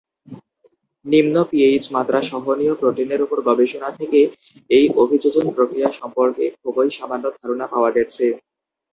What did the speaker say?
নিম্ন পিএইচ মাত্রা সহনীয় প্রোটিনের ওপর গবেষণা থেকে এই অভিযোজন প্রক্রিয়া সম্পর্কে খুবই সামান্য ধারণা পাওয়া গেছে।